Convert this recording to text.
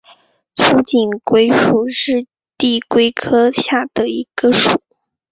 粗颈龟属是地龟科下的一个属。